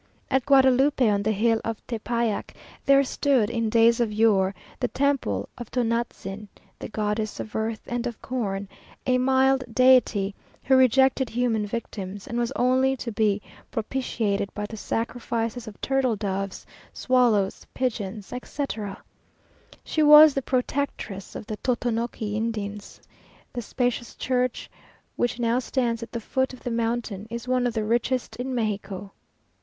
At Guadalupe, on the hill of Tepayac, there stood, in days of yore, the Temple of Tonantzin, the goddess of earth and of corn, a mild deity, who rejected human victims, and was only to be propitiated by the sacrifices of turtle doves, swallows, pigeons, etc. She was the protectress of the Totonoqui Indians. The spacious church, which now stands at the foot of the mountain, is one of the richest in Mexico.